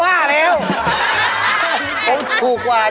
อันนี้ถูกกว่า